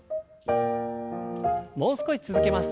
もう少し続けます。